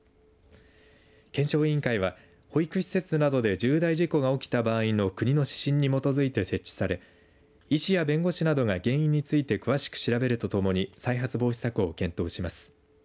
検証委員会は保育施設などで重大事故が起きた場合の国の指針に基づいて設置され医師や弁護士などが原因について詳しく調べるとともに再発防止策を検討します。